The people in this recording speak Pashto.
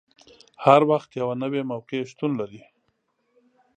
هر وخت یوه نوې موقع شتون لري.